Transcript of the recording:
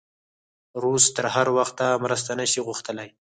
روس تر هغه وخته مرسته نه شي غوښتلی.